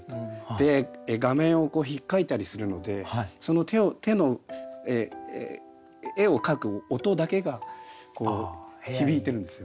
で画面をひっかいたりするのでその手の絵を描く音だけがこう響いてるんですよ。